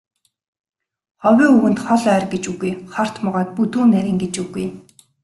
Ховын үгэнд хол ойр гэж үгүй, хорт могойд бүдүүн нарийн гэж үгүй.